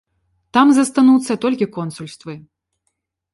Там застануцца толькі консульствы.